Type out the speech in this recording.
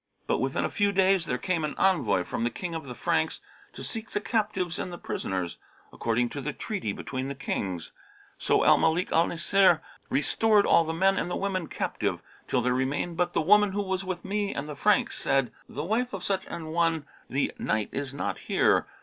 But within a few days there came an envoy from the King of the Franks, to seek the captives and the prisoners, according to the treaty between the Kings. So Al Malik al Nasir restored all the men and women captive, till there remained but the woman who was with me and the Franks said, 'The wife of such an one the Knight is not here.'